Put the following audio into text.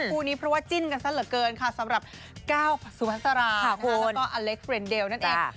คู่นี้เพราะว่าจิ้นกันซะเหลือเกินค่ะสำหรับก้าวสุพัสราแล้วก็อเล็กเรนเดลนั่นเอง